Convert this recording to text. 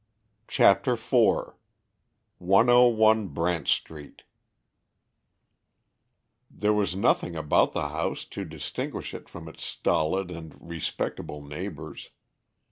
CHAPTER IV 101 BRANT STREET There was nothing about the house to distinguish it from its stolid and respectable neighbors.